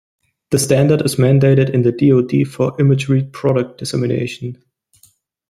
This standard is mandated in the DoD for imagery product dissemination.